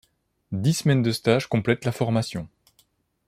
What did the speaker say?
Dix semaines de stage complètent la formation.